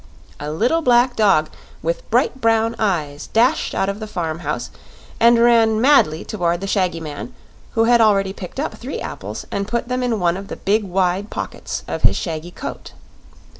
A little black dog with bright brown eyes dashed out of the farm house and ran madly toward the shaggy man, who had already picked up three apples and put them in one of the big wide pockets of his shaggy coat.